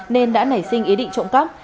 nên đã nảy sinh ý định trộm cắp